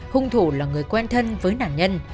hùng thủ là người quen thân với nạn nhân